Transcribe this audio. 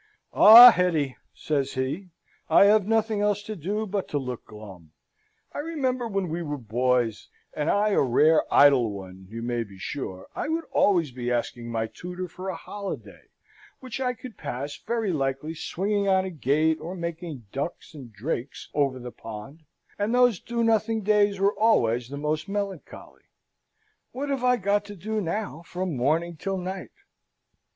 "Ah, Hetty!" says he, "I have nothing else to do but to look glum. I remember when we were boys and I a rare idle one, you may be sure I would always be asking my tutor for a holiday, which I would pass very likely swinging on a gate, or making ducks and drakes over the pond, and those do nothing days were always the most melancholy. What have I got to do now from morning till night?"